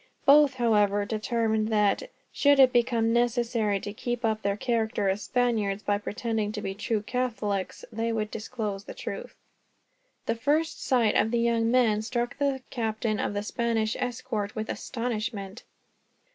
Both, however, determined that, should it become necessary to keep up their character as Spaniards by pretending to be true Catholics, they would disclose the truth. The first sight of the young men struck the captain of the Spanish escort with astonishment.